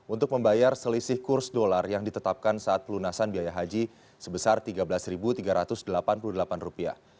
untuk membayar selisih kurs dolar yang ditetapkan saat pelunasan biaya haji sebesar tiga belas tiga ratus delapan puluh delapan rupiah